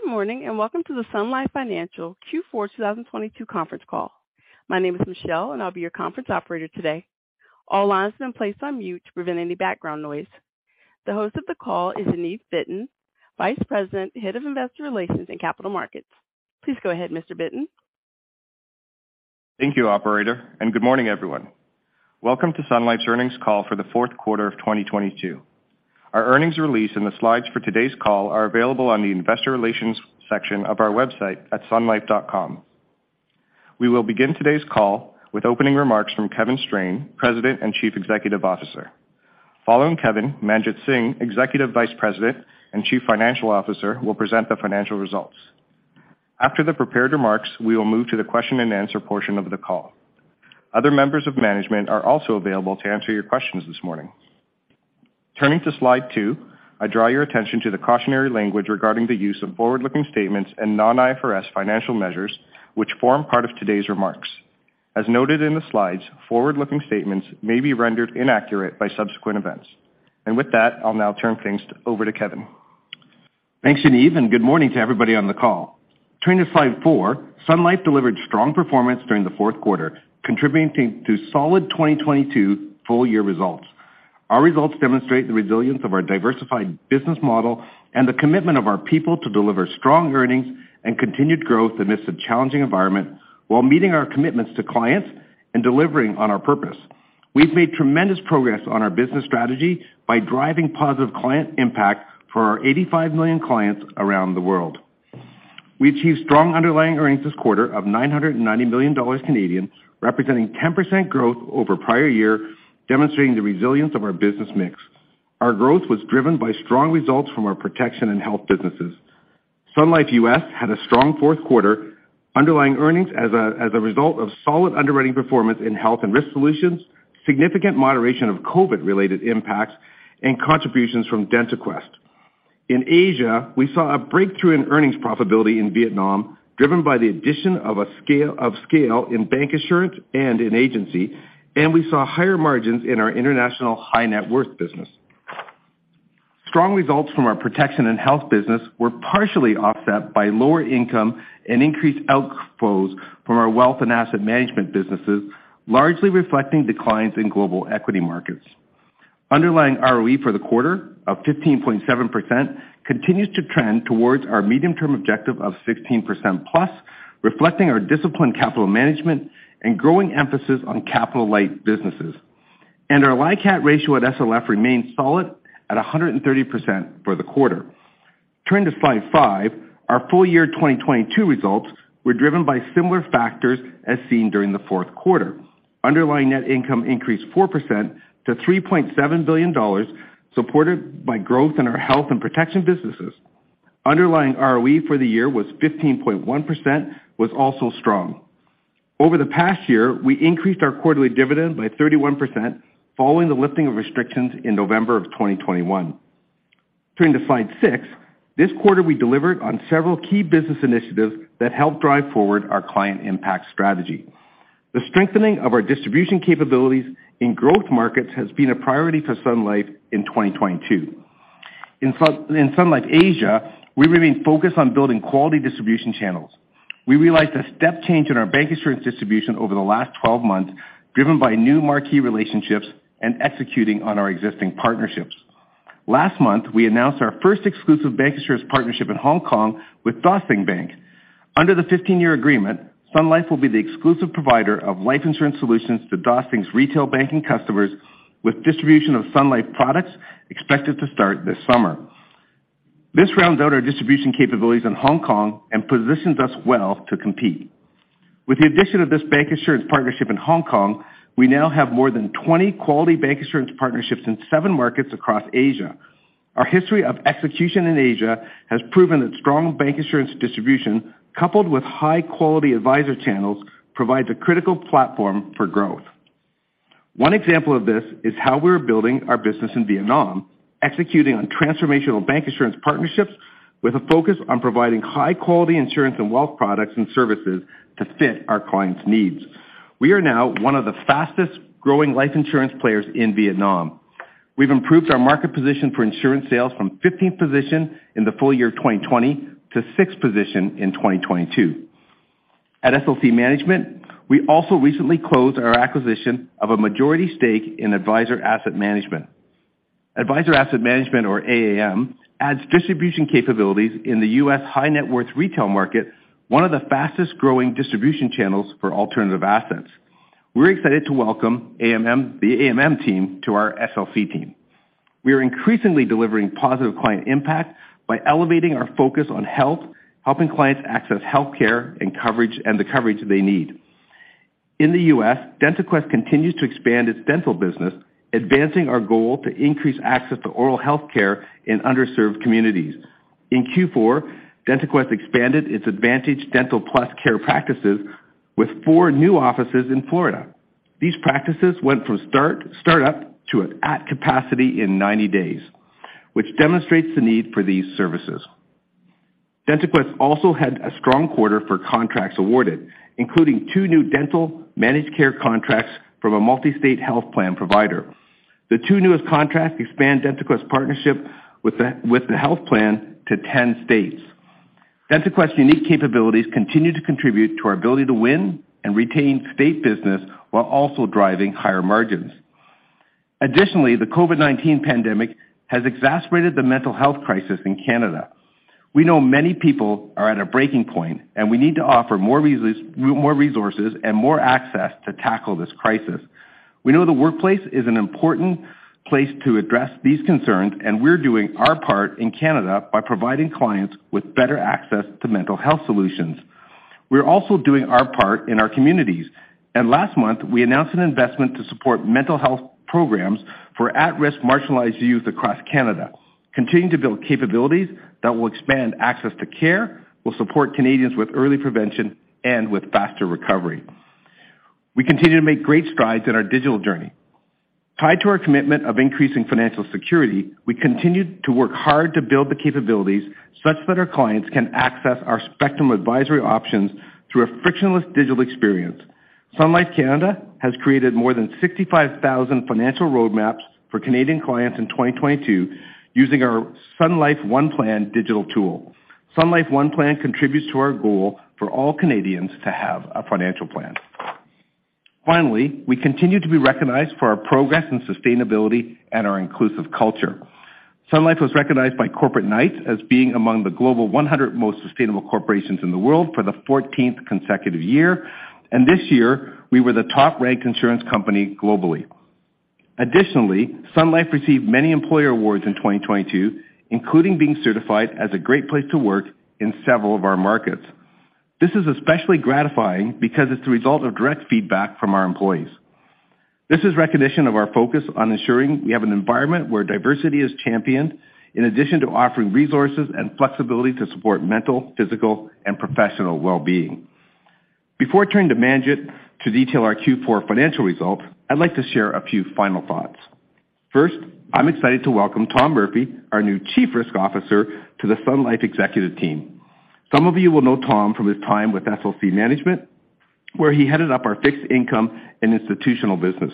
Good morning, and welcome to the Sun Life Financial Q4 2022 conference call. My name is Michelle, and I'll be your conference operator today. All lines have been placed on mute to prevent any background noise. The host of the call is Yaniv Bitton, Vice President, Head of Investor Relations and Capital Markets. Please go ahead, Mr. Bitton. Thank you, operator. Good morning, everyone. Welcome to Sun Life's earnings call for the fourth quarter of 2022. Our earnings release and the slides for today's call are available on the investor relations section of our website at sunlife.com. We will begin today's call with opening remarks from Kevin Strain, President and Chief Executive Officer. Following Kevin, Manjit Singh, Executive Vice President and Chief Financial Officer, will present the financial results. After the prepared remarks, we will move to the question-and-answer portion of the call. Other members of management are also available to answer your questions this morning. Turning to Slide two, I draw your attention to the cautionary language regarding the use of forward-looking statements and non-IFRS financial measures, which form part of today's remarks. As noted in the slides, forward-looking statements may be rendered inaccurate by subsequent events. With that, I'll now turn things over to Kevin. Thanks, Yaniv. Good morning to everybody on the call. Turning to Slide four, Sun Life delivered strong performance during the fourth quarter, contributing to solid 2022 full year results. Our results demonstrate the resilience of our diversified business model and the commitment of our people to deliver strong earnings and continued growth in this challenging environment while meeting our commitments to clients and delivering on our purpose. We've made tremendous progress on our business strategy by driving positive client impact for our 85 million clients around the world. We achieved strong underlying earnings this quarter of 990 million Canadian dollars, representing 10% growth over prior year, demonstrating the resilience of our business mix. Our growth was driven by strong results from our protection and health businesses. Sun Life U.S. had a strong fourth quarter underlying earnings as a result of solid underwriting performance in health and risk solutions, significant moderation of COVID-related impacts, and contributions from DentaQuest. In Asia, we saw a breakthrough in earnings profitability in Vietnam, driven by the addition of scale in bank insurance and in agency. We saw higher margins in our international high net worth business. Strong results from our protection and health business were partially offset by lower income and increased outflows from our wealth and asset management businesses, largely reflecting declines in global equity markets. Underlying ROE for the quarter of 15.7% continues to trend towards our medium-term objective of 16%+, reflecting our disciplined capital management and growing emphasis on capital-light businesses. Our LICAT ratio at SLF remains solid at 130% for the quarter. Turning to Slide five, our full year 2022 results were driven by similar factors as seen during the fourth quarter. Underlying net income increased 4% to 3.7 billion dollars, supported by growth in our health and protection businesses. Underlying ROE for the year was 15.1% was also strong. Over the past year, we increased our quarterly dividend by 31% following the lifting of restrictions in November of 2021. Turning to Slide six, this quarter we delivered on several key business initiatives that help drive forward our client impact strategy. The strengthening of our distribution capabilities in growth markets has been a priority for Sun Life in 2022. In Sun Life Asia, we remain focused on building quality distribution channels. We realized a step change in our bank insurance distribution over the last 12 months, driven by new marquee relationships and executing on our existing partnerships. Last month, we announced our first exclusive bank insurance partnership in Hong Kong with Dah Sing Bank. Under the 15-year agreement, Sun Life will be the exclusive provider of life insurance solutions to Dah Sing's retail banking customers, with distribution of Sun Life products expected to start this summer. This rounds out our distribution capabilities in Hong Kong and positions us well to compete. With the addition of this bank insurance partnership in Hong Kong, we now have more than 20 quality bank insurance partnerships in 7 markets across Asia. Our history of execution in Asia has proven that strong bank insurance distribution coupled with high-quality advisor channels provides a critical platform for growth. One example of this is how we're building our business in Vietnam, executing on transformational bank insurance partnerships with a focus on providing high-quality insurance and wealth products and services to fit our clients' needs. We are now one of the fastest-growing life insurance players in Vietnam. We've improved our market position for insurance sales from 15th position in the full year of 2020 to 6th position in 2022. At SLC Management, we also recently closed our acquisition of a majority stake in Advisors Asset Management. Advisors Asset Management or AAM adds distribution capabilities in the U.S. high net worth retail market, one of the fastest-growing distribution channels for alternative assets. We're excited to welcome the AAM team to our SLC team. We are increasingly delivering positive client impact by elevating our focus on health, helping clients access health care and coverage, and the coverage they need. In the U.S., DentaQuest continues to expand its dental business, advancing our goal to increase access to oral health care in underserved communities. In Q4, DentaQuest expanded its Advantage Dental Plus care practices with four new offices in Florida. These practices went from start-up to at capacity in 90 days, which demonstrates the need for these services. DentaQuest also had a strong quarter for contracts awarded, including two new dental managed care contracts from a multi-state health plan provider. The two newest contracts expand DentaQuest partnership with the health plan to 10 states. DentaQuest unique capabilities continue to contribute to our ability to win and retain state business while also driving higher margins. The COVID-19 pandemic has exacerbated the mental health crisis in Canada. We know many people are at a breaking point, and we need to offer more resources and more access to tackle this crisis. We know the workplace is an important place to address these concerns, and we're doing our part in Canada by providing clients with better access to mental health solutions. Last month, we announced an investment to support mental health programs for at-risk marginalized youth across Canada, continuing to build capabilities that will expand access to care, will support Canadians with early prevention and with faster recovery. We continue to make great strides in our digital journey. Tied to our commitment of increasing financial security, we continued to work hard to build the capabilities such that our clients can access our spectrum of advisory options through a frictionless digital experience. Sun Life Canada has created more than 65,000 financial roadmaps for Canadian clients in 2022 using our Sun Life One Plan digital tool. Sun Life One Plan contributes to our goal for all Canadians to have a financial plan. Finally, we continue to be recognized for our progress in sustainability and our inclusive culture. Sun Life was recognized by Corporate Knights as being among the global 100 most sustainable corporations in the world for the 14th consecutive year. This year, we were the top-ranked insurance company globally. Additionally, Sun Life received many employer awards in 2022, including being certified as a great place to work in several of our markets. This is especially gratifying because it's the result of direct feedback from our employees. This is recognition of our focus on ensuring we have an environment where diversity is championed, in addition to offering resources and flexibility to support mental, physical, and professional well-being. Before I turn to Manjit to detail our Q4 financial results, I'd like to share a few final thoughts. I'm excited to welcome Tom Murphy, our new Chief Risk Officer, to the Sun Life executive team. Some of you will know Tom from his time with SLC Management, where he headed up our fixed income and institutional business.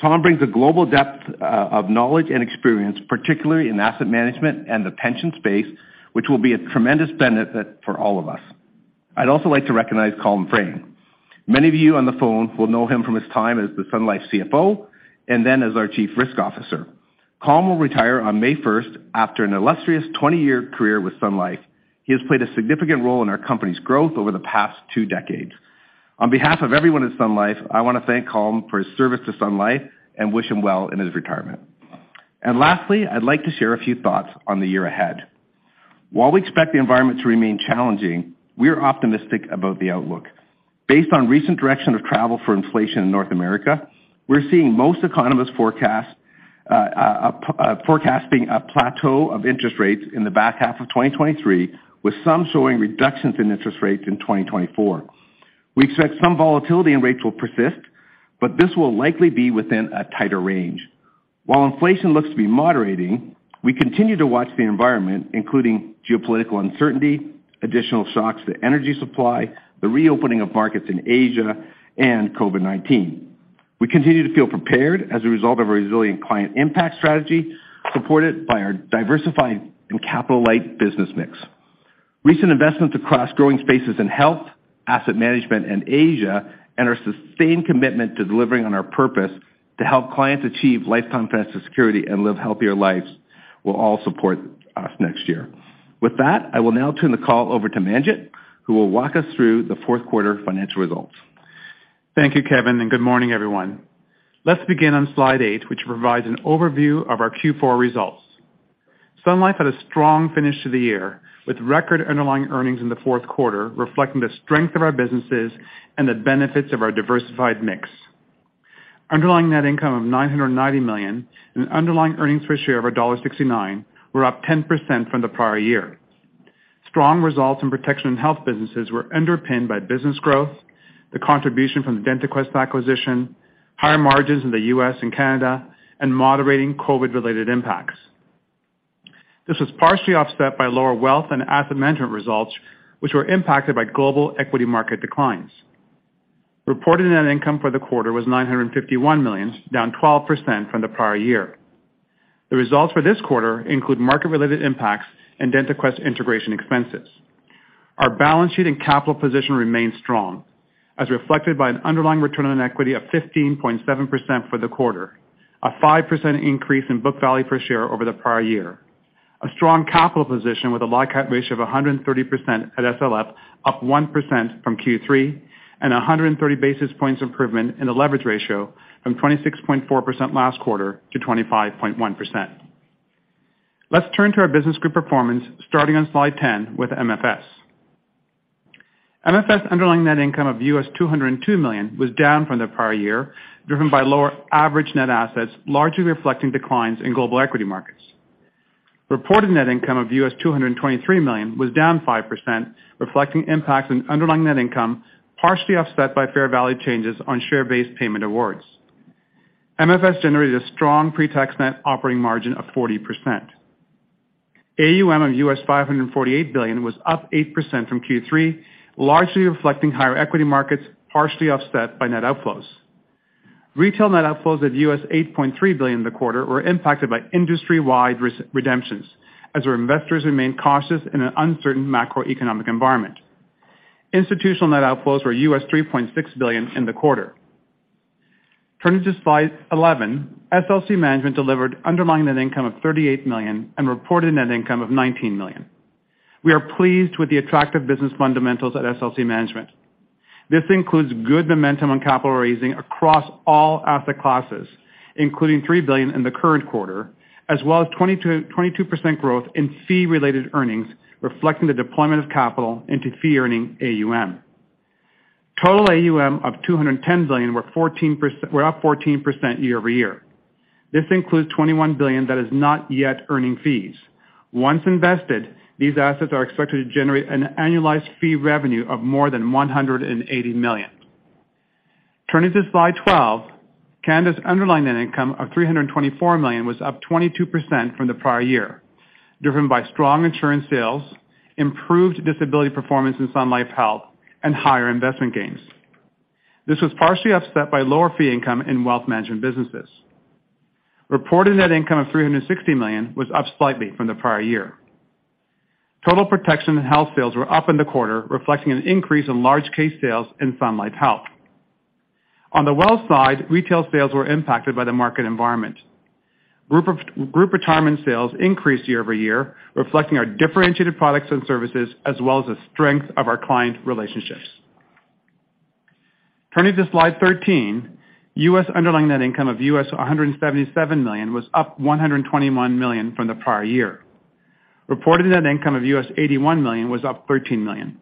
Tom brings a global depth of knowledge and experience, particularly in asset management and the pension space, which will be a tremendous benefit for all of us. I'd also like to recognize Colm Freyne. Many of you on the phone will know him from his time as the Sun Life CFO and then as our Chief Risk Officer. Colm will retire on May 1st after an illustrious 20-year career with Sun Life. He has played a significant role in our company's growth over the past two decades. On behalf of everyone at Sun Life, I want to thank Colm for his service to Sun Life and wish him well in his retirement. Lastly, I'd like to share a few thoughts on the year ahead. While we expect the environment to remain challenging, we are optimistic about the outlook. Based on recent direction of travel for inflation in North America, we're seeing most economists forecasting a plateau of interest rates in the back half of 2023, with some showing reductions in interest rates in 2024. We expect some volatility in rates will persist, but this will likely be within a tighter range. While inflation looks to be moderating, we continue to watch the environment, including geopolitical uncertainty, additional shocks to energy supply, the reopening of markets in Asia, and COVID-19. We continue to feel prepared as a result of a resilient client impact strategy supported by our diversified and capital-light business mix. Recent investments across growing spaces in health, asset management, and Asia, and our sustained commitment to delivering on our purpose to help clients achieve lifetime financial security and live healthier lives will all support us next year. With that, I will now turn the call over to Manjit, who will walk us through the fourth quarter financial results. Thank you, Kevin. Good morning, everyone. Let's begin on slide eight, which provides an overview of our Q4 results. Sun Life had a strong finish to the year, with record underlying earnings in the fourth quarter reflecting the strength of our businesses and the benefits of our diversified mix. Underlying net income of 990 million and underlying earnings per share of dollar 1.69 were up 10% from the prior year. Strong results in protection and health businesses were underpinned by business growth, the contribution from the DentaQuest acquisition, higher margins in the U.S. and Canada, and moderating COVID-related impacts. This was partially offset by lower wealth and asset management results, which were impacted by global equity market declines. Reported net income for the quarter was CAD 951 million, down 12% from the prior year. The results for this quarter include market-related impacts and DentaQuest integration expenses. Our balance sheet and capital position remain strong as reflected by an underlying return on equity of 15.7% for the quarter, a 5% increase in book value per share over the prior year. A strong capital position with a LICAT ratio of 130% at SLF, up 1% from Q3, and 130 basis points improvement in the leverage ratio from 26.4% last quarter to 25.1%. Let's turn to our business group performance, starting on slide 10 with MFS. MFS underlying net income of $202 million was down from the prior year, driven by lower average net assets, largely reflecting declines in global equity markets. Reported net income of $223 million was down 5%, reflecting impacts on underlying net income, partially offset by fair value changes on share-based payment awards. MFS generated a strong pre-tax net operating margin of 40%. AUM of $548 billion was up 8% from Q3, largely reflecting higher equity markets, partially offset by net outflows. Retail net outflows of $8.3 billion in the quarter were impacted by industry-wide redemptions as our investors remain cautious in an uncertain macroeconomic environment. Institutional net outflows were $3.6 billion in the quarter. Turning to slide 11, SLC Management delivered underlying net income of $38 million and reported net income of $19 million. We are pleased with the attractive business fundamentals at SLC Management. This includes good momentum on capital raising across all asset classes, including 3 billion in the current quarter, as well as 22% growth in fee-related earnings, reflecting the deployment of capital into fee earning AUM. Total AUM of 210 billion were up 14% year-over-year. This includes 21 billion that is not yet earning fees. Once invested, these assets are expected to generate an annualized fee revenue of more than 180 million. Turning to slide 12, Canada's underlying net income of 324 million was up 22% from the prior year, driven by strong insurance sales, improved disability performance in Sun Life Health and higher investment gains. This was partially offset by lower fee income in wealth management businesses. Reported net income of 360 million was up slightly from the prior year. Total protection and health sales were up in the quarter, reflecting an increase in large case sales in Sun Life Health. On the wealth side, retail sales were impacted by the market environment. Group retirement sales increased year-over-year, reflecting our differentiated products and services as well as the strength of our client relationships. Turning to slide 13, US underlying net income of $177 million was up $121 million from the prior year. Reported net income of $81 million was up $13 million.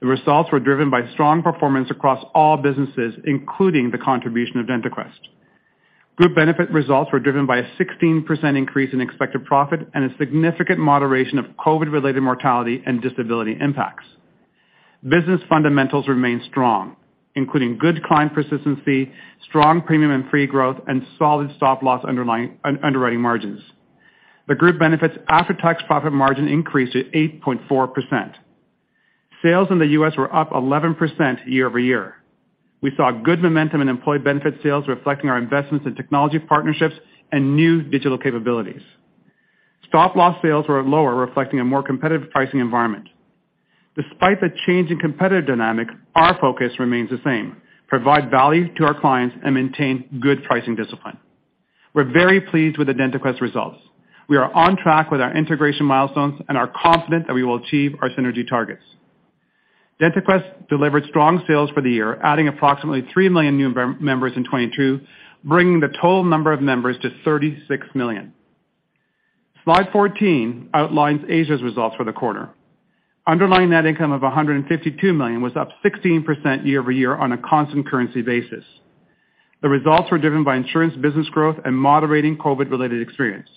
The results were driven by strong performance across all businesses, including the contribution of DentaQuest. Group Benefit results were driven by a 16% increase in expected profit and a significant moderation of COVID-related mortality and disability impacts. Business fundamentals remain strong, including good client persistency, strong premium and fee growth and solid stop-loss underwriting margins. The Group Benefits after-tax profit margin increased to 8.4%. Sales in the U.S. were up 11% year-over-year. We saw good momentum in Employee Benefits sales, reflecting our investments in technology partnerships and new digital capabilities. Stop-loss sales were lower, reflecting a more competitive pricing environment. Despite the change in competitive dynamics, our focus remains the same: provide value to our clients and maintain good pricing discipline. We're very pleased with the DentaQuest results. We are on track with our integration milestones and are confident that we will achieve our synergy targets. DentaQuest delivered strong sales for the year, adding approximately 3 million new members in 2022, bringing the total number of members to 36 million. Slide 14 outlines Asia's results for the quarter. Underlying net income of 152 million was up 16% year over year on a constant currency basis. The results were driven by insurance business growth and moderating COVID-19 related experience.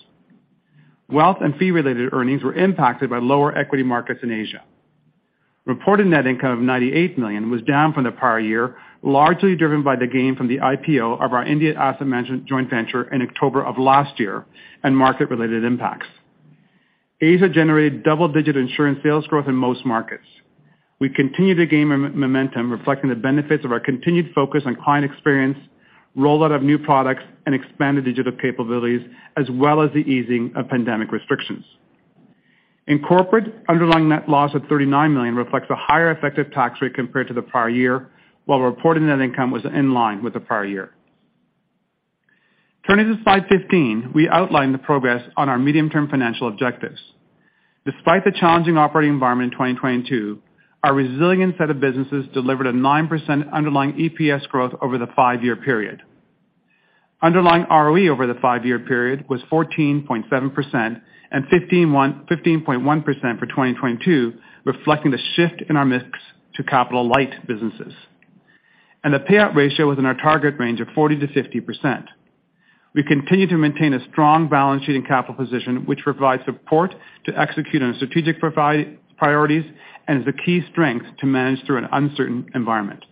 Wealth and fee-related earnings were impacted by lower equity markets in Asia. Reported net income of 98 million was down from the prior year, largely driven by the gain from the IPO of our India asset management joint venture in October of last year and market related impacts. Asia generated double-digit insurance sales growth in most markets. We continue to gain momentum, reflecting the benefits of our continued focus on client experience, rollout of new products and expanded digital capabilities, as well as the easing of pandemic restrictions. In corporate, underlying net loss of 39 million reflects a higher effective tax rate compared to the prior year, while reported net income was in line with the prior year. Turning to slide 15, we outlined the progress on our medium-term financial objectives. Despite the challenging operating environment in 2022, our resilient set of businesses delivered a 9% underlying EPS growth over the 5-year period. Underlying ROE over the 5-year period was 14.7% and 15.1% for 2022, reflecting the shift in our mix to capital light businesses. The payout ratio was in our target range of 40%-50%. We continue to maintain a strong balance sheet and capital position, which provides support to execute on strategic priorities and is a key strength to manage through an uncertain environment.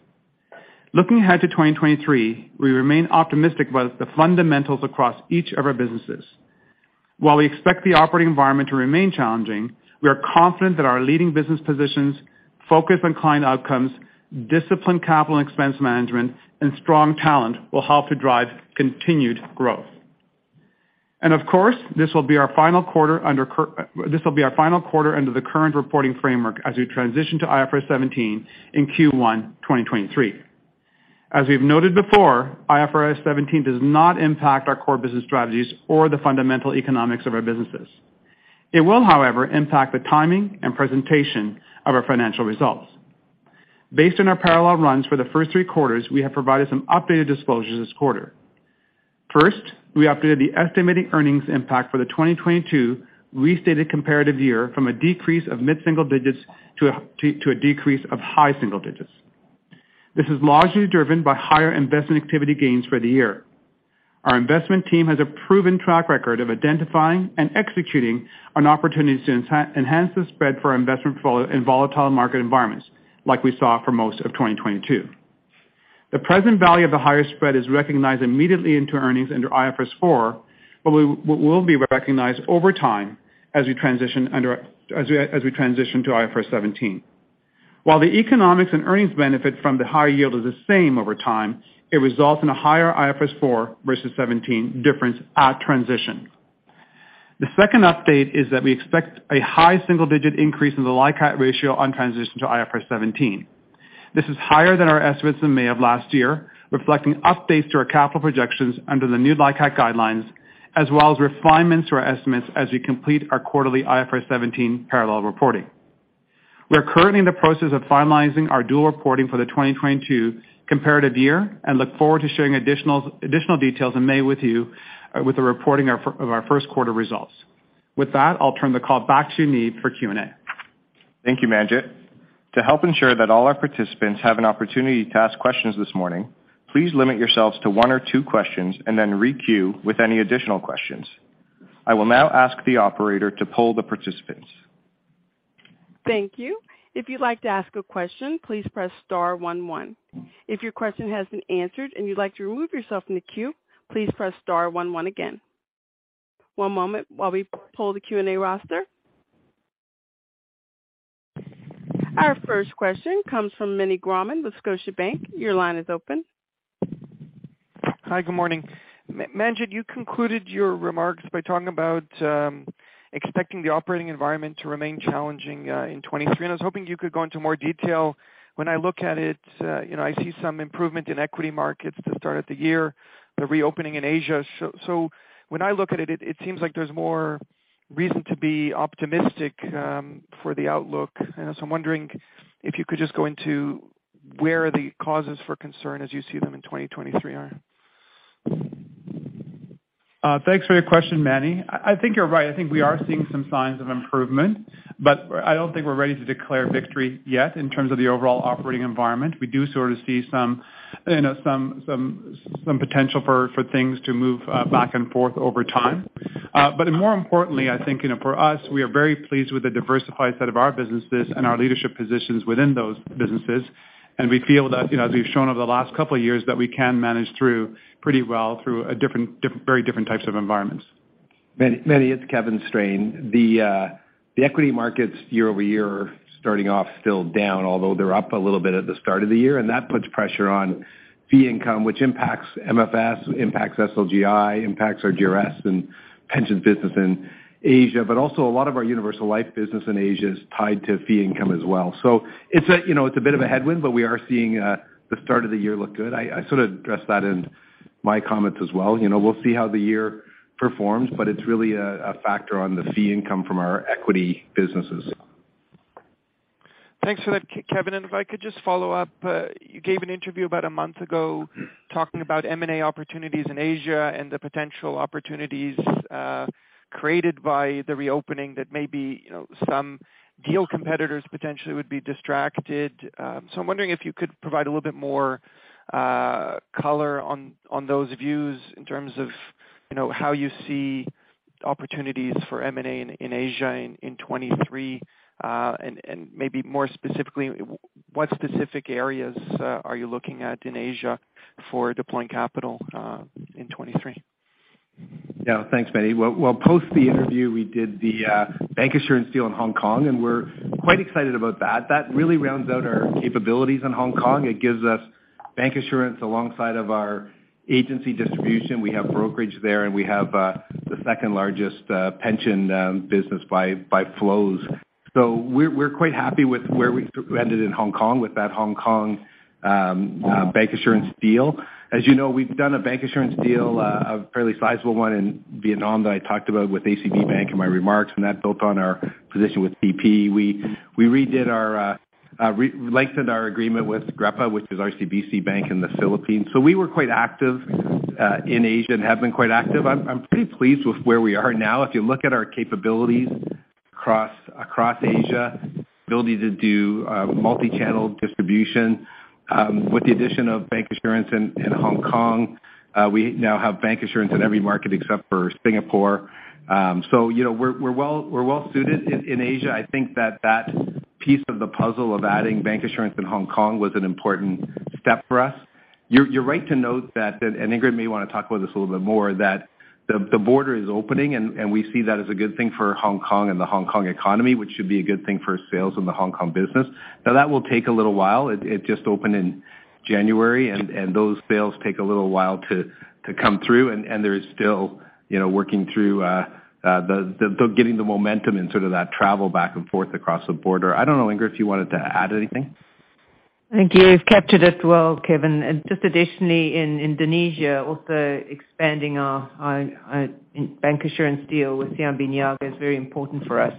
Looking ahead to 2023, we remain optimistic about the fundamentals across each of our businesses. While we expect the operating environment to remain challenging, we are confident that our leading business positions, focus on client outcomes, disciplined capital and expense management and strong talent will help to drive continued growth. Of course, this will be our final quarter under the current reporting framework as we transition to IFRS 17 in Q1 2023. As we've noted before, IFRS 17 does not impact our core business strategies or the fundamental economics of our businesses. It will, however, impact the timing and presentation of our financial results. Based on our parallel runs for the first three quarters, we have provided some updated disclosures this quarter. First, we updated the estimated earnings impact for the 2022 restated comparative year from a decrease of mid-single digits to a decrease of high single digits. This is largely driven by higher investment activity gains for the year. Our investment team has a proven track record of identifying and executing on opportunities to enhance the spread for our investment portfol-- in volatile market environments like we saw for most of 2022. The present value of the higher spread is recognized immediately into earnings under IFRS 4, but will be recognized over time as we transition to IFRS 17. While the economics and earnings benefit from the higher yield is the same over time, it results in a higher IFRS 4 versus IFRS 17 difference at transition. The second update is that we expect a high single-digit increase in the LICAT ratio on transition to IFRS 17. This is higher than our estimates in May of last year, reflecting updates to our capital projections under the new LICAT guidelines as well as refinements to our estimates as we complete our quarterly IFRS 17 parallel reporting. We're currently in the process of finalizing our dual reporting for the 2022 comparative year and look forward to sharing additional details in May with you with the reporting of our first quarter results. With that, I'll turn the call back to Ned for Q&A. Thank you, Manjit. To help ensure that all our participants have an opportunity to ask questions this morning, please limit yourselves to one or two questions and then re-queue with any additional questions. I will now ask the operator to poll the participants. Thank you. If you'd like to ask a question, please press star one one. If your question has been answered and you'd like to remove yourself from the queue, please press star one one again. One moment while we poll the Q&A roster. Our first question comes from Meny Grauman with Scotiabank. Your line is open. Hi. Good morning. Manjit, you concluded your remarks by talking about expecting the operating environment to remain challenging in 2023. I was hoping you could go into more detail. When I look at it, you know, I see some improvement in equity markets to start out the year, the reopening in Asia. When I look at it seems like there's more reason to be optimistic for the outlook. I'm wondering if you could just go into where the causes for concern as you see them in 2023 are. Thanks for your question, Meny. I think you're right. I think we are seeing some signs of improvement, but I don't think we're ready to declare victory yet in terms of the overall operating environment. We do sort of see some, you know, some potential for things to move back and forth over time. More importantly, I think, you know, for us, we are very pleased with the diversified set of our businesses and our leadership positions within those businesses. We feel that, you know, as we've shown over the last couple of years, that we can manage through pretty well through a very different types of environments. Manny, it's Kevin Strain. The, the equity markets year-over-year are starting off still down, although they're up a little bit at the start of the year. That puts pressure on fee income, which impacts MFS, impacts SLGI, impacts our GRS and pension business in Asia. Also a lot of our universal life business in Asia is tied to fee income as well. It's a, you know, it's a bit of a headwind, but we are seeing, the start of the year look good. I sort of addressed that in my comments as well. You know, we'll see how the year performs, but it's really a factor on the fee income from our equity businesses. Thanks for that Kevin. If I could just follow up. You gave an interview about a month ago talking about M&A opportunities in Asia and the potential opportunities created by the reopening that maybe, you know, some deal competitors potentially would be distracted. I'm wondering if you could provide a little bit more color on those views in terms of, you know, how you see opportunities for M&A in Asia in 23. Maybe more specifically, what specific areas are you looking at in Asia for deploying capital in 23? Yeah. Thanks, Meny. Well, post the interview, we did the bancassurance deal in Hong Kong, we're quite excited about that. That really rounds out our capabilities in Hong Kong. It gives us bancassurance alongside of our agency distribution. We have brokerage there, we have the second-largest pension business by flows. We're quite happy with where we ended in Hong Kong with that Hong Kong bancassurance deal. As you know, we've done a bancassurance deal, a fairly sizable one in Vietnam that I talked about with ACB Bank in my remarks, that built on our position with TPB. We redid our lengthened our agreement with GREPA, which is RCBC Bank in the Philippines. We were quite active in Asia and have been quite active. I'm pretty pleased with where we are now. If you look at our capabilities across Asia, ability to do multi-channel distribution, with the addition of bank assurance in Hong Kong, we now have bank assurance in every market except for Singapore. You know, we're well suited in Asia. I think that piece of the puzzle of adding bank assurance in Hong Kong was an important step for us. You're right to note that, and Ingrid may wanna talk about this a little bit more, that the border is opening, and we see that as a good thing for Hong Kong and the Hong Kong economy, which should be a good thing for sales in the Hong Kong business. Now, that will take a little while. It just opened in January, and those sales take a little while to come through. There is still, you know, working through getting the momentum in sort of that travel back and forth across the border. I don't know, Ingrid, if you wanted to add anything? Thank you. You've captured it well, Kevin. Just additionally, in Indonesia, also expanding our bancassurance deal with CIMB Niaga is very important for us.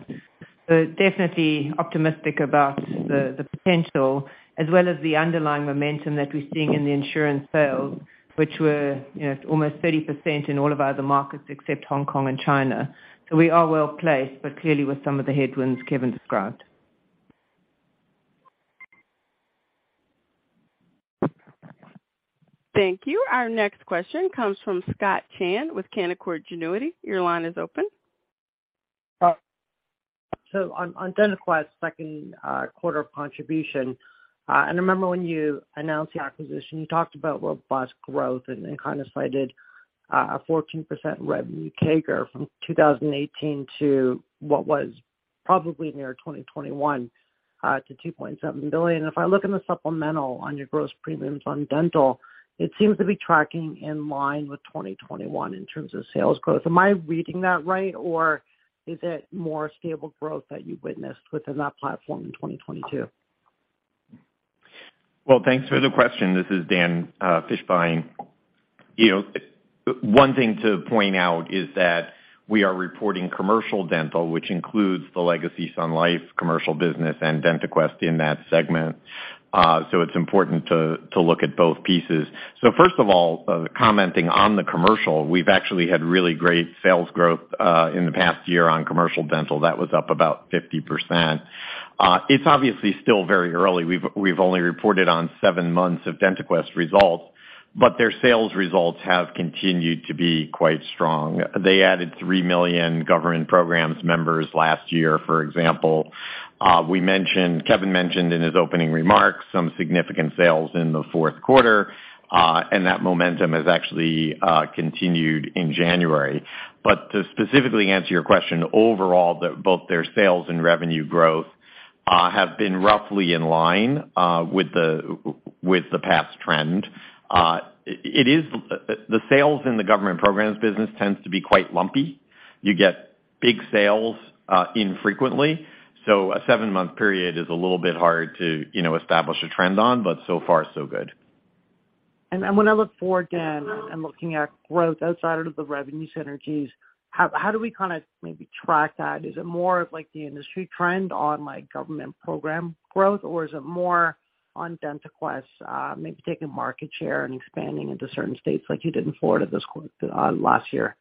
Definitely optimistic about the potential as well as the underlying momentum that we're seeing in the insurance sales, which were, you know, almost 30% in all of our other markets except Hong Kong and China. We are well-placed, but clearly with some of the headwinds Kevin described. Thank you. Our next question comes from Scott Chan with Canaccord Genuity. Your line is open. On DentaQuest second quarter contribution, I remember when you announced the acquisition, you talked about robust growth and kind of cited a 14% revenue CAGR from 2018 to what was probably near 2021, to $2.7 billion. If I look in the supplemental on your gross premiums on dental, it seems to be tracking in line with 2021 in terms of sales growth. Am I reading that right? Is it more stable growth that you witnessed within that platform in 2022? Well, thanks for the question. This is Dan Fishbein. You know, one thing to point out is that we are reporting commercial dental, which includes the legacy Sun Life commercial business and DentaQuest in that segment. It's important to look at both pieces. First of all, commenting on the commercial, we've actually had really great sales growth in the past year on commercial dental. That was up about 50%. It's obviously still very early. We've only reported on 7 months of DentaQuest results, but their sales results have continued to be quite strong. They added 3 million government programs members last year, for example. Kevin mentioned in his opening remarks some significant sales in the Q4, and that momentum has actually continued in January. To specifically answer your question, overall, both their sales and revenue growth have been roughly in line with the past trend. The sales in the government programs business tends to be quite lumpy. You get big sales infrequently, so a 7-month period is a little bit hard to, you know, establish a trend on, but so far, so good. When I look forward, Dan, and looking at growth outside of the revenue synergies, how do we kind of maybe track that? Is it more of like the industry trend on like government program growth, or is it more on DentaQuest, maybe taking market share and expanding into certain states like you did in Florida last year?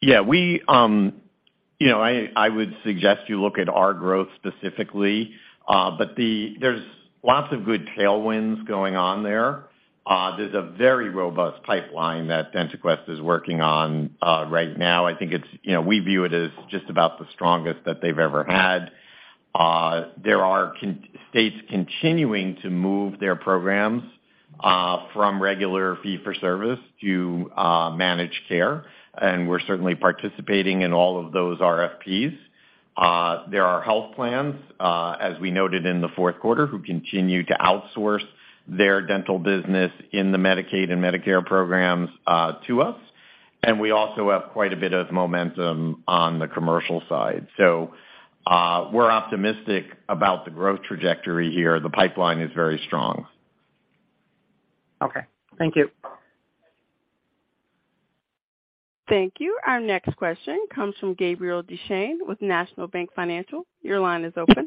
Yeah, we, you know, I would suggest you look at our growth specifically. There's lots of good tailwinds going on there. There's a very robust pipeline that DentaQuest is working on right now. I think it's, you know, we view it as just about the strongest that they've ever had. There are states continuing to move their programs from regular fee for service to managed care, and we're certainly participating in all of those RFPs. There are health plans, as we noted in the fourth quarter, who continue to outsource their dental business in the Medicaid and Medicare programs to us. We also have quite a bit of momentum on the commercial side. We're optimistic about the growth trajectory here. The pipeline is very strong. Okay. Thank you. Thank you. Our next question comes from Gabriel Dechaine with National Bank Financial. Your line is open.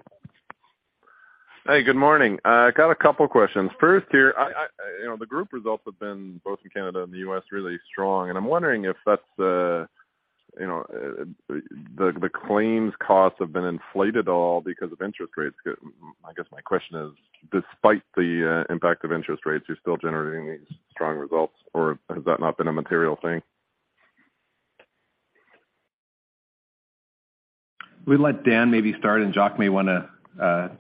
Hey, good morning. I got a couple questions. First here, I, you know, the group results have been, both in Canada and the US, really strong, and I'm wondering if that's, you know, the claims costs have been inflated at all because of interest rates. I guess my question is, despite the impact of interest rates, you're still generating these strong results, or has that not been a material thing? We let Dan maybe start, and Jacques may wanna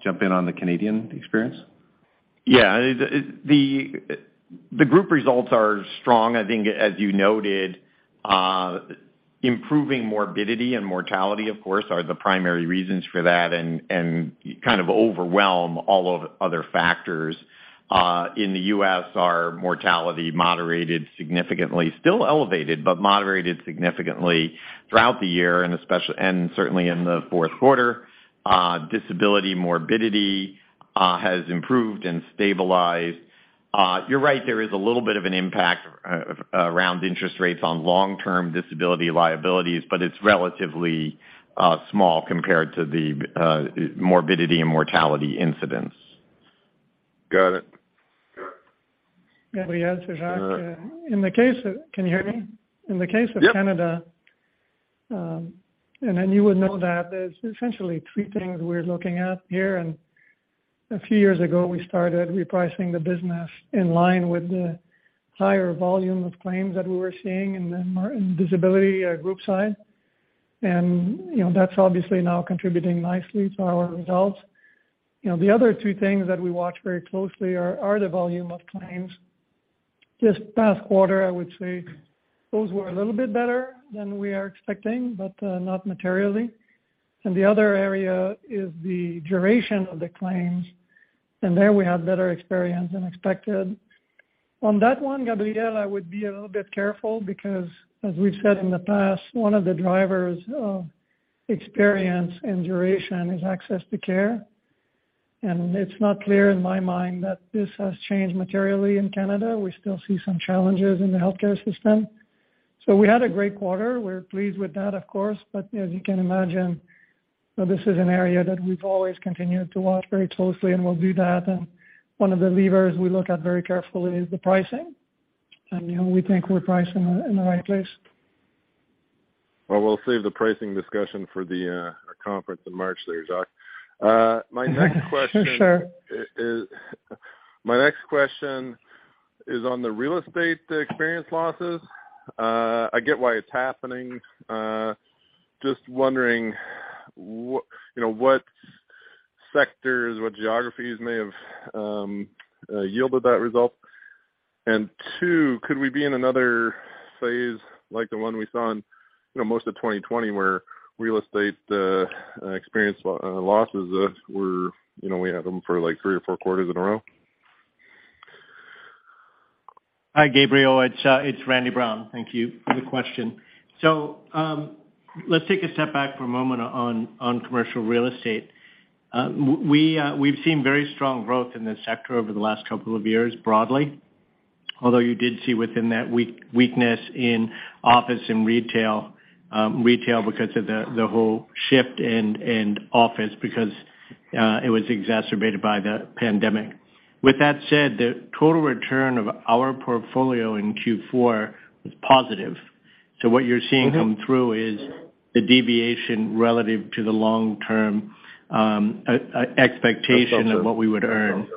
jump in on the Canadian experience. Yeah. The group results are strong. I think, as you noted, improving morbidity and mortality, of course, are the primary reasons for that and kind of overwhelm all of other factors. In the U.S., our mortality moderated significantly, still elevated, but moderated significantly throughout the year and certainly in the fourth quarter. Disability morbidity has improved and stabilized. You're right, there is a little bit of an impact around interest rates on long-term disability liabilities, but it's relatively small compared to the morbidity and mortality incidents. Got it. Can we answer, Jacques? Can you hear me? Yep. In the case of Canada, then you would know that there's essentially three things we're looking at here. A few years ago, we started repricing the business in line with the higher volume of claims that we were seeing in disability, group side. You know, that's obviously now contributing nicely to our results. You know, the other two things that we watch very closely are the volume of claims. This past quarter, I would say those were a little bit better than we are expecting, but not materially. The other area is the duration of the claims, and there we had better experience than expected. On that one, Gabriel, I would be a little bit careful because as we've said in the past, one of the drivers of experience and duration is access to care. It's not clear in my mind that this has changed materially in Canada. We still see some challenges in the healthcare system. We had a great quarter. We're pleased with that, of course. As you can imagine, this is an area that we've always continued to watch very closely, and we'll do that. One of the levers we look at very carefully is the pricing. You know, we think we're priced in the right place. Well, we'll save the pricing discussion for the our conference in March there, Jacques. my next question- Sure My next question is on the real estate experience losses. I get why it's happening. Just wondering, you know, what sectors, what geographies may have yielded that result. Two, could we be in another phase like the one we saw in, you know, most of 2020 where real estate experience losses were. You know, we had them for, like, three or four quarters in a row. Hi, Gabriel. It's Randy Brown. Thank you for the question. Let's take a step back for a moment on commercial real estate. We've seen very strong growth in this sector over the last couple of years broadly, although you did see within that weakness in office and retail because of the whole shift in office because it was exacerbated by the pandemic. With that said, the total return of our portfolio in Q4 was positive. What you're seeing come through is the deviation relative to the long-term expectation of what we would earn. Okay.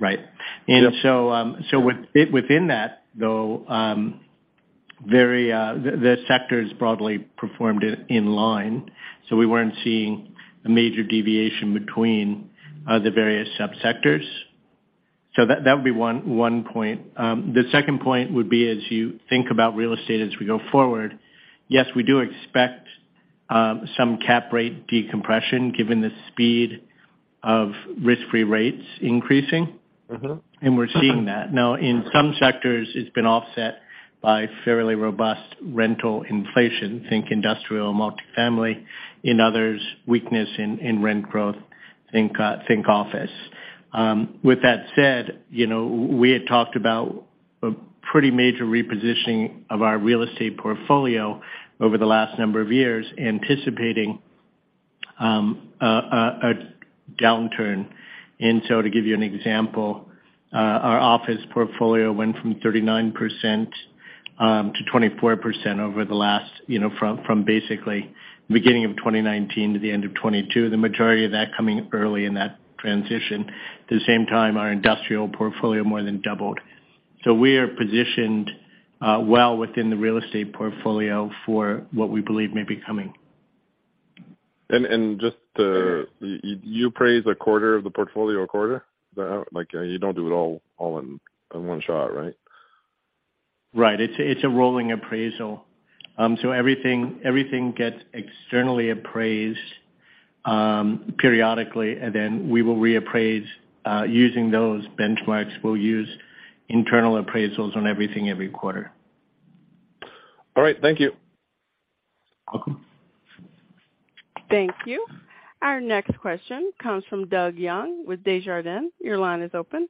Right. Within that, though, very, the sectors broadly performed in line, so we weren't seeing a major deviation between the various subsectors. That would be one point. The second point would be, as you think about real estate as we go forward, yes, we do expect some cap rate decompression given the speed of risk-free rates increasing. Mm-hmm. We're seeing that. Now in some sectors, it's been offset by fairly robust rental inflation, think industrial multifamily. In others, weakness in rent growth, think office. With that said, you know, we had talked about a pretty major repositioning of our real estate portfolio over the last number of years, anticipating a downturn. To give you an example, our office portfolio went from 39% to 24% over the last, you know, from basically the beginning of 2019 to the end of 2022, the majority of that coming early in that transition. At the same time, our industrial portfolio more than doubled. We are positioned well within the real estate portfolio for what we believe may be coming. Just you appraise a quarter of the portfolio a quarter? Like, you don't do it all in one shot, right? Right. It's a rolling appraisal. Everything gets externally appraised periodically, and then we will reappraise using those benchmarks. We'll use internal appraisals on everything every quarter. All right. Thank you. Welcome. Thank you. Our next question comes from Doug Young with Desjardins. Your line is open.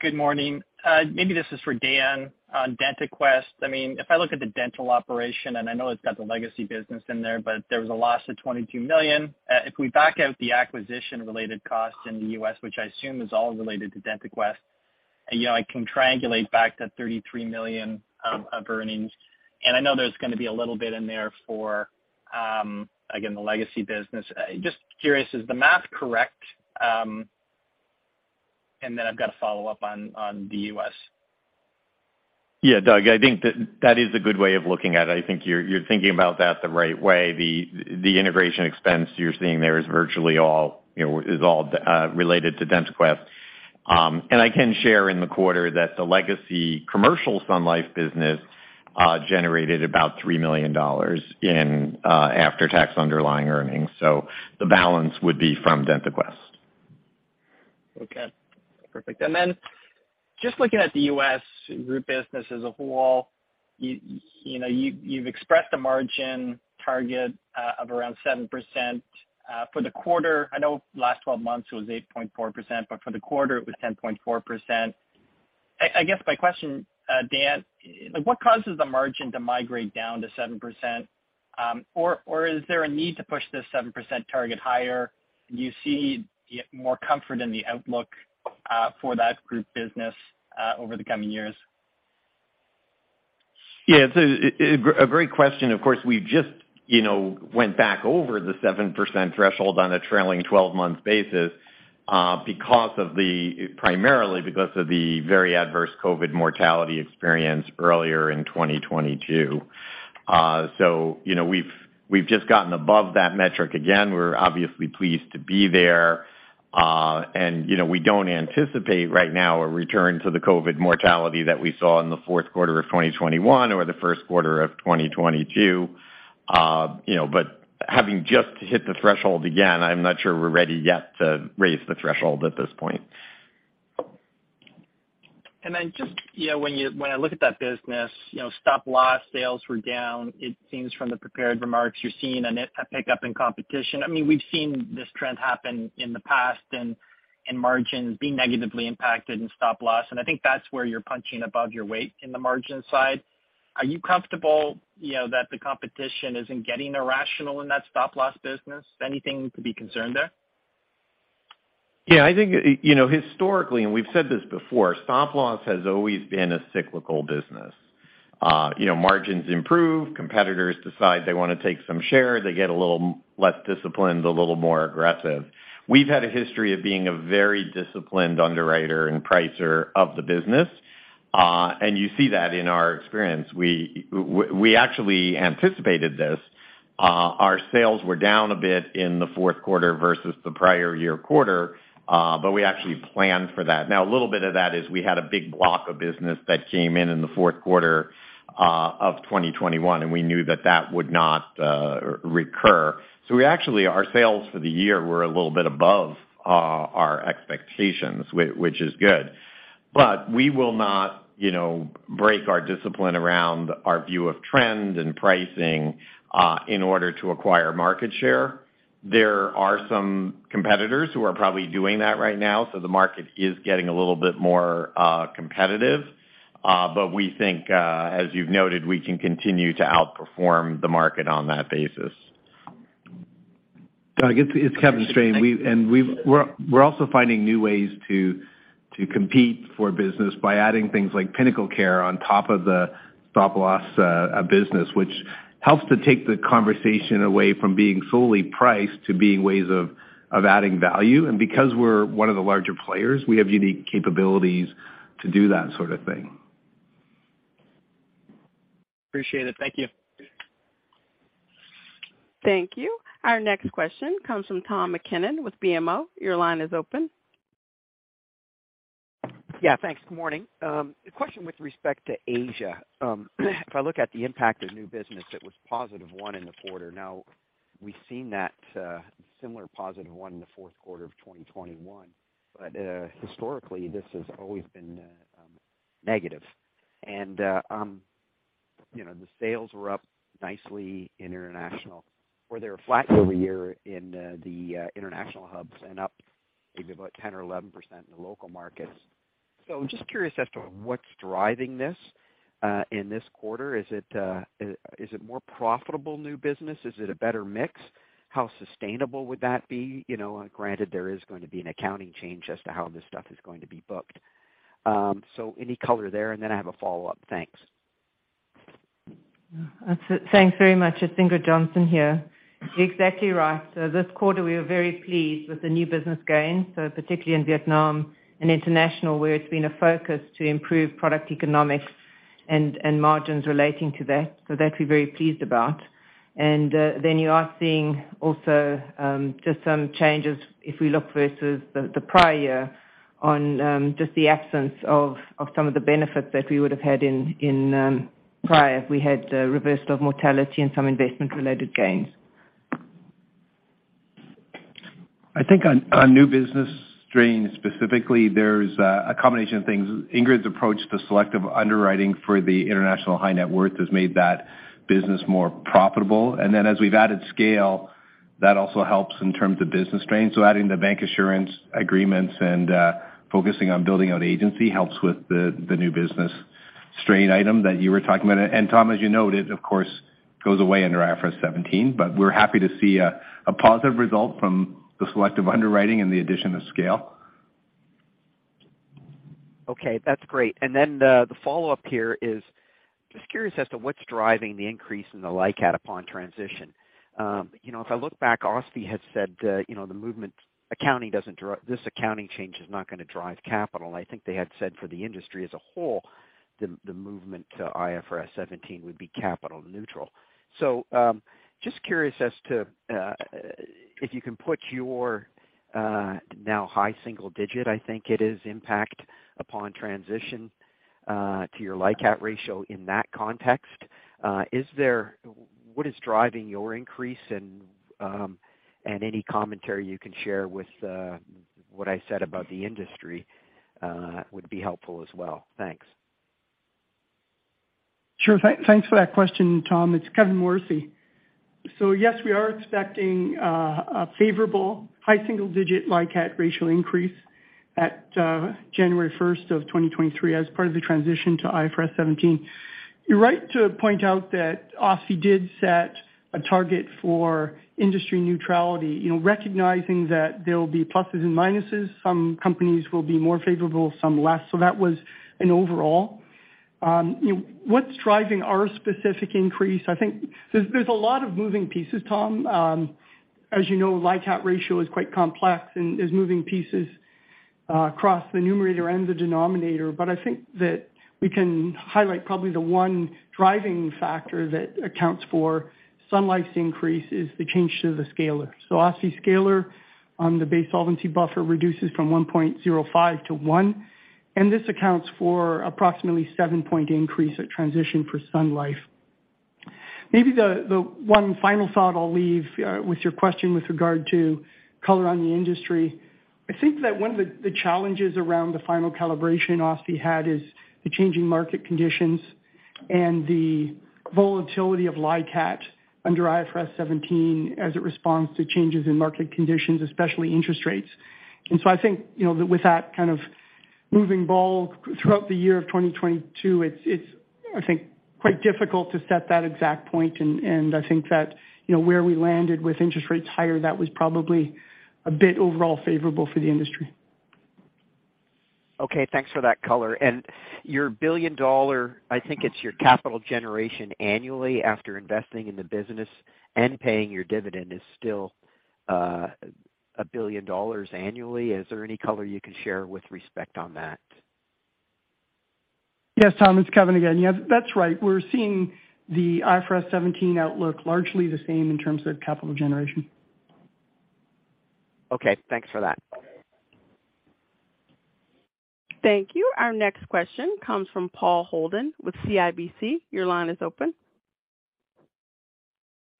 Good morning. Maybe this is for Dan on DentaQuest. I mean, if I look at the dental operation, and I know it's got the legacy business in there, but there was a loss of $22 million. If we back out the acquisition-related costs in the U.S., which I assume is all related to DentaQuest, you know, I can triangulate back to $33 million of earnings. I know there's gonna be a little bit in there for again, the legacy business. Just curious, is the math correct? I've got a follow-up on the U.S. Yeah, Doug, I think that is a good way of looking at it. I think you're thinking about that the right way. The integration expense you're seeing there is virtually all, you know, is all related to DentaQuest. I can share in the quarter that the legacy commercial Sun Life business generated about $3 million in after-tax underlying earnings. The balance would be from DentaQuest. Okay. Perfect. just looking at the U.S. group business as a whole, you know, you've expressed the margin target of around 7%. for the quarter, I know last 12 months it was 8.4%, for the quarter it was 10.4%. I guess my question, Dan, like, what causes the margin to migrate down to 7%? or is there a need to push this 7% target higher? Do you see more comfort in the outlook for that group business over the coming years? Yeah. It's a great question. Of course, we just, you know, went back over the 7% threshold on a trailing 12-month basis, because of the primarily because of the very adverse COVID mortality experience earlier in 2022. You know, we've just gotten above that metric again. We're obviously pleased to be there, you know, we don't anticipate right now a return to the COVID mortality that we saw in the fourth quarter of 2021 or the first quarter of 2022. You know, having just hit the threshold again, I'm not sure we're ready yet to raise the threshold at this point. Just, you know, when I look at that business, you know, stop-loss sales were down. It seems from the prepared remarks you're seeing a pickup in competition. I mean, we've seen this trend happen in the past and margins being negatively impacted in stop-loss, and I think that's where you're punching above your weight in the margin side. Are you comfortable, you know, that the competition isn't getting irrational in that stop-loss business? Anything to be concerned there? I think, you know, historically, we've said this before, stop-loss has always been a cyclical business. You know, margins improve, competitors decide they want to take some share, they get a little less disciplined, a little more aggressive. We've had a history of being a very disciplined underwriter and pricer of the business. You see that in our experience. We actually anticipated this. Our sales were down a bit in the fourth quarter versus the prior year quarter, but we actually planned for that. Now, a little bit of that is we had a big block of business that came in in the fourth quarter of 2021, and we knew that that would not recur. We actually our sales for the year were a little bit above our expectations, which is good. We will not, you know, break our discipline around our view of trend and pricing in order to acquire market share. There are some competitors who are probably doing that right now, so the market is getting a little bit more competitive. We think, as you've noted, we can continue to outperform the market on that basis. Well, I guess it's Kevin Strain. We're also finding new ways to compete for business by adding things like PinnacleCare on top of the stop-loss business, which helps to take the conversation away from being solely priced to being ways of adding value. Because we're one of the larger players, we have unique capabilities to do that sort of thing. Appreciate it. Thank you. Thank you. Our next question comes from Tom MacKinnon with BMO. Your line is open. Yeah, thanks. Good morning. A question with respect to Asia. If I look at the impact of new business, it was positive 1 in the quarter. We've seen that similar positive 1 in the fourth quarter of 2021. Historically, this has always been negative. You know, the sales were up nicely in international, or they were flat year-over-year in the international hubs and up maybe about 10% or 11% in the local markets. Just curious as to what's driving this in this quarter. Is it more profitable new business? Is it a better mix? How sustainable would that be? You know, granted there is going to be an accounting change as to how this stuff is going to be booked. Any color there, and then I have a follow-up. Thanks. Thanks very much. It's Ingrid Johnson here. You're exactly right. This quarter, we are very pleased with the new business gains, particularly in Vietnam and international, where it's been a focus to improve product economics and margins relating to that. That we're very pleased about. You are seeing also just some changes if we look versus the prior year on just the absence of some of the benefits that we would have had in prior. We had reversal of mortality and some investment-related gains. I think on new business strain specifically, there's a combination of things. Ingrid's approach to selective underwriting for the international high net worth has made that business more profitable. As we've added scale, that also helps in terms of business strain. Adding the bancassurance agreements and focusing on building out agency helps with the new business strain item that you were talking about. Tom, as you noted, of course, goes away under IFRS 17, but we're happy to see a positive result from the selective underwriting and the addition of scale. Okay, that's great. The, the follow-up here is just curious as to what's driving the increase in the LICAT upon transition. You know, if I look back, OSFI had said, you know, the movement accounting this accounting change is not gonna drive capital. I think they had said for the industry as a whole, the movement to IFRS 17 would be capital neutral. Just curious as to if you can put your now high single digit, I think it is, impact upon transition to your LICAT ratio in that context. What is driving your increase? Any commentary you can share with what I said about the industry would be helpful as well. Thanks. Sure. Thanks for that question, Tom. It's Kevin Morrissey. Yes, we are expecting a favorable high single digit LICAT ratio increase at January 1st of 2023 as part of the transition to IFRS 17. You're right to point out that OSFI did set a target for industry neutrality, you know, recognizing that there will be pluses and minuses. Some companies will be more favorable, some less. That was an overall. What's driving our specific increase? I think there's a lot of moving pieces, Tom. As you know, LICAT ratio is quite complex and there's moving pieces across the numerator and the denominator. I think that we can highlight probably the one driving factor that accounts for Sun Life's increase is the change to the scaler. OSFI scaler on the Base Solvency Buffer reduces from 1.05 to 1, and this accounts for approximately 7-point increase at transition for Sun Life. The one final thought I'll leave with your question with regard to color on the industry, I think that one of the challenges around the final calibration OSFI had is the changing market conditions and the volatility of LICAT under IFRS 17 as it responds to changes in market conditions, especially interest rates. I think, you know, with that kind of moving ball throughout the year of 2022, it's I think quite difficult to set that exact point. I think that, you know, where we landed with interest rates higher, that was probably a bit overall favorable for the industry. Okay, thanks for that color. Your 1 billion dollar, I think it's your capital generation annually after investing in the business and paying your dividend is still 1 billion dollars annually. Is there any color you can share with respect on that? Yes, Tom, it's Kevin again. Yes, that's right. We're seeing the IFRS 17 outlook largely the same in terms of capital generation. Okay, thanks for that. Thank you. Our next question comes from Paul Holden with CIBC. Your line is open.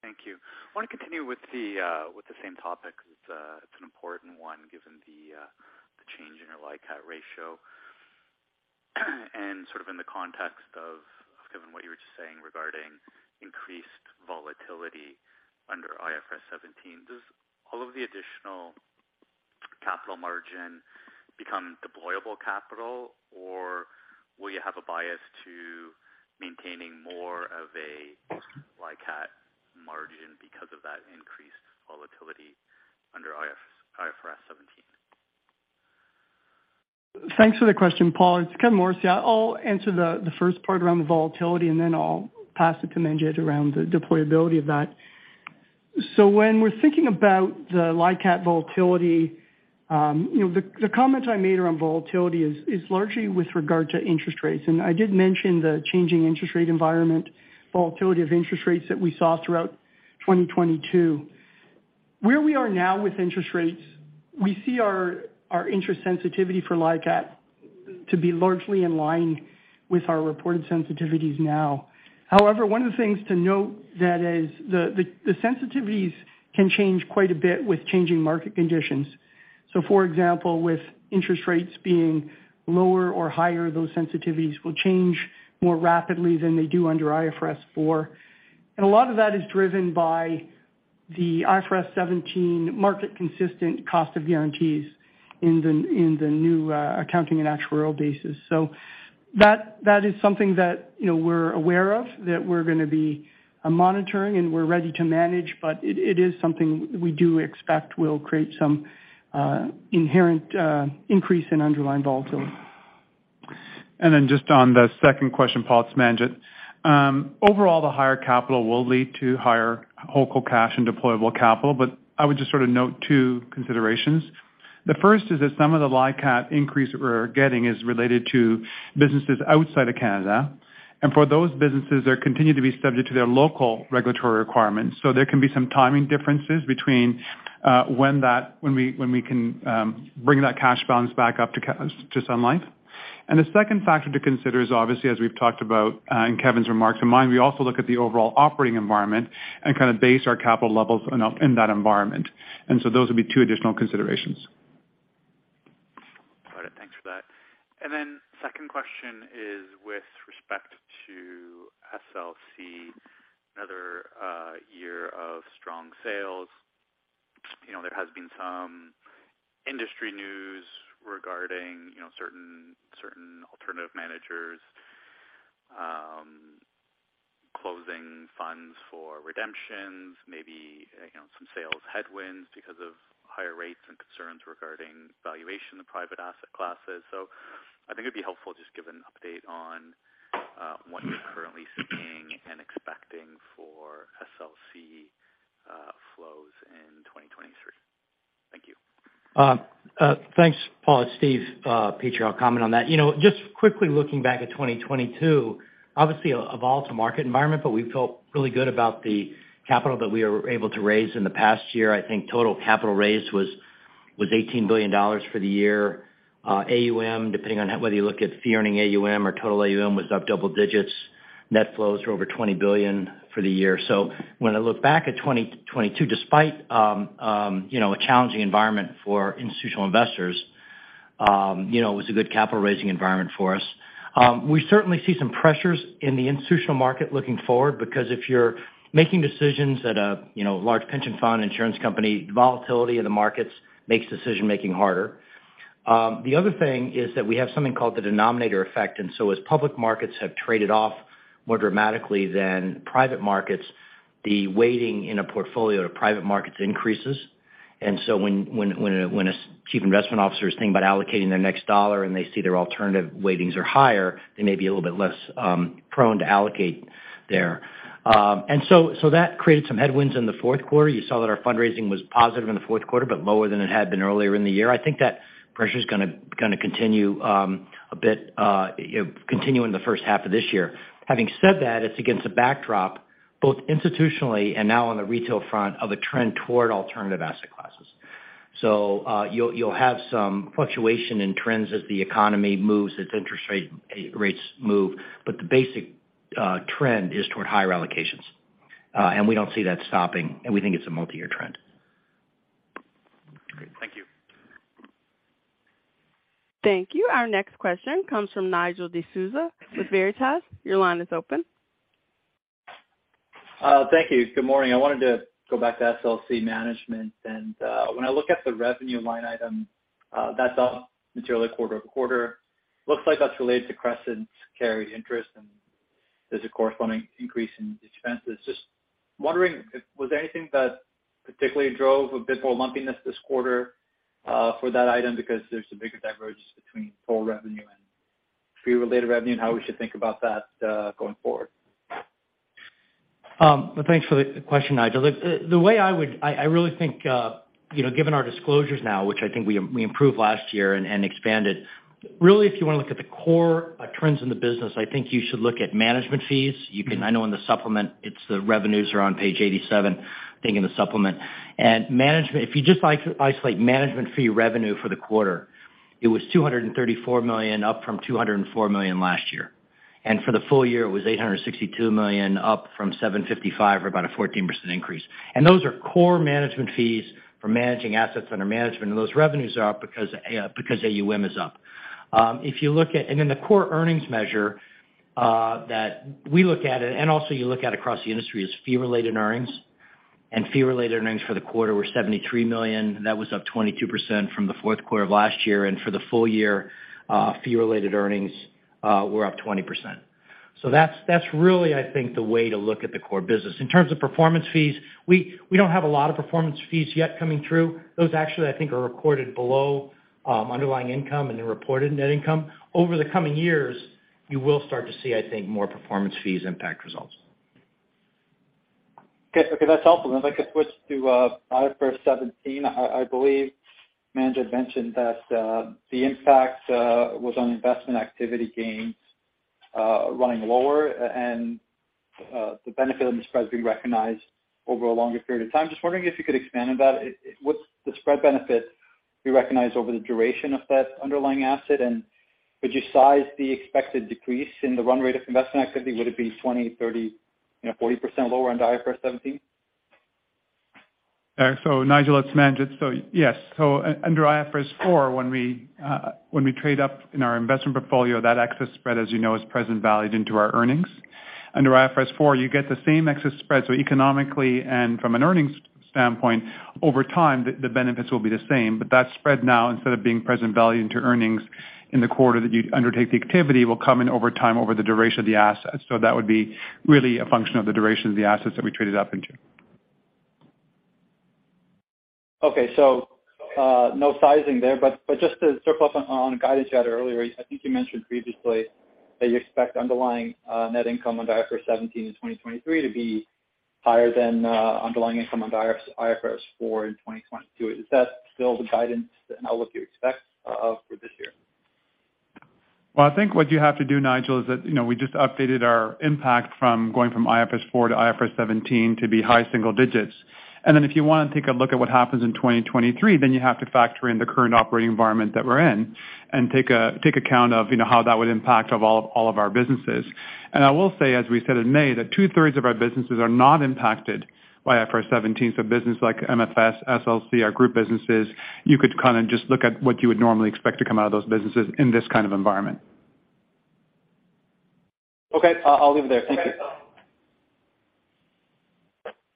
Thank you. I want to continue with the with the same topic because it's an important one given the the change in your LICAT ratio. Sort of in the context of, Kevin, what you were just saying regarding increased volatility under IFRS 17, does all of the additional capital margin become deployable capital or will you have a bias to maintaining more of a LICAT margin because of that increased volatility under IFRS 17? Thanks for the question, Paul. It's Kevin Morrissey. I'll answer the first part around the volatility, and then I'll pass it to Manjit around the deployability of that. When we're thinking about the LICAT volatility, you know, the comment I made around volatility is largely with regard to interest rates. I did mention the changing interest rate environment, volatility of interest rates that we saw throughout 2022. Where we are now with interest rates, we see our interest sensitivity for LICAT to be largely in line with our reported sensitivities now. However, one of the things to note that is the sensitivities can change quite a bit with changing market conditions. For example, with interest rates being lower or higher, those sensitivities will change more rapidly than they do under IFRS 4. A lot of that is driven by the IFRS 17 market consistent cost of guarantees in the new accounting and actuarial basis. That is something that, you know, we're aware of, that we're gonna be monitoring and we're ready to manage, but it is something we do expect will create some inherent increase in underlying volatility. Just on the second question, Paul, it's Manjit. Overall, the higher capital will lead to higher wholeco cash and deployable capital. I would just sort of note two considerations. The first is that some of the LICAT increase that we're getting is related to businesses outside of Canada. For those businesses, they continue to be subject to their local regulatory requirements. There can be some timing differences between when we can bring that cash balance back up to Sun Life. The second factor to consider is obviously, as we've talked about, in Kevin's remarks and mine, we also look at the overall operating environment and kind of base our capital levels in that environment. Those would be two additional considerations. Got it. Thanks for that. Second question is with respect to SLC, another year of strong sales. You know, there has been some industry news regarding, you know, certain alternative managers, closing funds for redemptions, maybe, you know, some sales headwinds because of higher rates and concerns regarding valuation of private asset classes. I think it'd be helpful just give an update on what you're currently seeing and expecting for SLC flows in 2023. Thank you. Thanks, Paul. It's Steve Peacher. I'll comment on that. You know, just quickly looking back at 2022, obviously a volatile market environment, but we felt really good about the capital that we were able to raise in the past year. I think total capital raise was 18 billion dollars for the year. AUM, depending on whether you look at fee earning AUM or total AUM, was up double digits. Net flows were over 20 billion for the year. When I look back at 2022, despite, you know, a challenging environment for institutional investors, you know, it was a good capital raising environment for us. We certainly see some pressures in the institutional market looking forward because if you're making decisions at a, you know, large pension fund insurance company, volatility in the markets makes decision-making harder. The other thing is that we have something called the denominator effect. As public markets have traded off more dramatically than private markets, the weighting in a portfolio to private markets increases. When a chief investment officer is thinking about allocating their next dollar and they see their alternative weightings are higher, they may be a little bit less prone to allocate there. That created some headwinds in the fourth quarter. You saw that our fundraising was positive in the fourth quarter, but lower than it had been earlier in the year. I think that pressure's gonna continue a bit, you know, continue in the first half of this year. Having said that, it's against a backdrop, both institutionally and now on the retail front, of a trend toward alternative asset classes. You'll have some fluctuation in trends as the economy moves, as interest rates move, but the basic trend is toward higher allocations. We don't see that stopping, and we think it's a multi-year trend. Great. Thank you. Thank you. Our next question comes from Nigel D'Souza with Veritas. Your line is open. Thank you. Good morning. I wanted to go back to SLC Management. When I look at the revenue line item, that's up materially quarter-over-quarter. Looks like that's related to Crescent's carry interest. There's a corresponding increase in expenses. Just wondering was there anything that particularly drove a bit more lumpiness this quarter for that item, because there's a bigger divergence between total revenue and fee related revenue and how we should think about that going forward. Well, thanks for the question, Nigel. The way I would... I really think, you know, given our disclosures now, which I think we improved last year and expanded, really, if you wanna look at the core trends in the business, I think you should look at management fees. I know in the supplement, it's the revenues are on page 87, I think, in the supplement. Management, if you just isolate management fee revenue for the quarter, it was 234 million, up from 204 million last year. For the full year, it was 862 million, up from 755 million, or about a 14% increase. Those are core management fees for managing assets under management, and those revenues are up because AUM is up. If you look at the core earnings measure that we look at and also you look at across the industry is fee-related earnings. Fee-related earnings for the quarter were 73 million. That was up 22% from the fourth quarter of last year. For the full year, fee-related earnings were up 20%. That's really, I think, the way to look at the core business. In terms of performance fees, we don't have a lot of performance fees yet coming through. Those actually I think are recorded below underlying income and in reported net income. Over the coming years, you will start to see, I think, more performance fees impact results. Okay, that's helpful. I'd like to switch to IFRS 17. I believe Manjit mentioned that the impact was on investment activity gains running lower and the benefit of the spread being recognized over a longer period of time. Just wondering if you could expand on that. What's the spread benefit you recognize over the duration of that underlying asset? Could you size the expected decrease in the run rate of investment activity? Would it be 20, 30, you know, 40% lower on IFRS 17? Nigel, it's Manjit. Yes. Under IFRS 4 when we trade up in our investment portfolio, that excess spread, as you know, is present valued into our earnings. Under IFRS 4, you get the same excess spread, so economically and from an earnings standpoint, over time, the benefits will be the same. That spread now, instead of being present value into earnings in the quarter that you undertake the activity, will come in over time over the duration of the asset. That would be really a function of the duration of the assets that we traded up into. No sizing there, but just to circle up on guidance you had earlier, I think you mentioned previously that you expect underlying net income on IFRS 17 in 2023 to be higher than underlying income on IFRS 4 in 2022. Is that still the guidance and outlook you expect for this year? Well, I think what you have to do, Nigel, is that, you know, we just updated our impact from going from IFRS 4 to IFRS 17 to be high single digits. If you wanna take a look at what happens in 2023, then you have to factor in the current operating environment that we're in and take account of, you know, how that would impact all of our businesses. I will say, as we said in May, that two-thirds of our businesses are not impacted by IFRS 17. Businesses like MFS, SLC, our group businesses, you could kind of just look at what you would normally expect to come out of those businesses in this kind of environment. Okay. I'll leave it there. Thank you.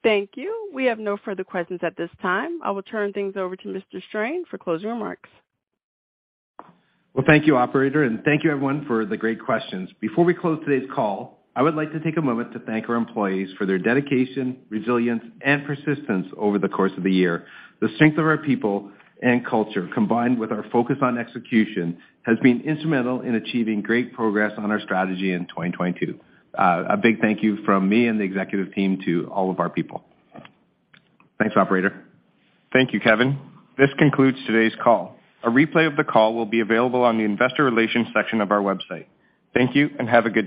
Thank you. We have no further questions at this time. I will turn things over to Mr. Strain for closing remarks. Well, thank you Operator, and thank you everyone for the great questions. Before we close today's call, I would like to take a moment to thank our employees for their dedication, resilience, and persistence over the course of the year. The strength of our people and culture, combined with our focus on execution, has been instrumental in achieving great progress on our strategy in 2022. A big thank you from me and the executive team to all of our people. Thanks, Operator. Thank you, Kevin. This concludes today's call. A replay of the call will be available on the investor relations section of our website. Thank you, and have a good day.